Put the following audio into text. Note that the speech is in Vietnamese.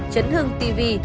chấn hương tv